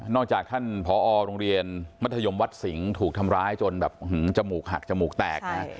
นอกจากท่านพอโรงเรียนมัธยมวัดสิงถูกทำร้ายจนหักจมูกแตก